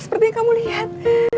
seperti yang kamu lihat